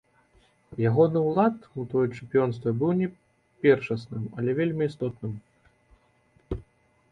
Ягоны ўклад у тое чэмпіёнства быў не першасным, але вельмі істотным.